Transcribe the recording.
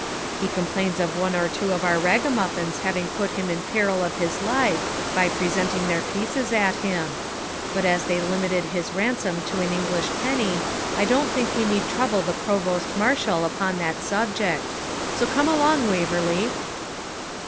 He complains of one or two of our ragamuffins having put him in peril of his life by presenting their pieces at him; but as they limited his ransom to an English penny, I don't think we need trouble the provost marshal upon that subject. So come along, Waverley.'